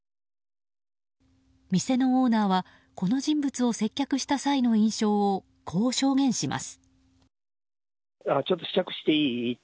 店のオーナーはこの人物を接客した際の印象をこう証言します。